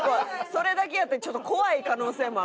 それだけやったらちょっと怖い可能性もあるから。